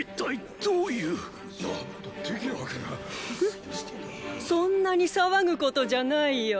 フッそんなに騒ぐことじゃないよ。